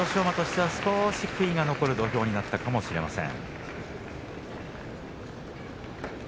馬としては少し悔いが残る土俵になったかもしれません。